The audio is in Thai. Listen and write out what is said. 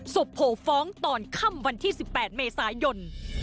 โผล่ฟ้องตอนค่ำวันที่๑๘เมษายน